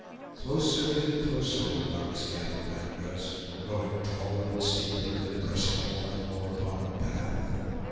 Closer and closer the rocks gathered round us, growing taller and steeper, and pressing more and more upon our path.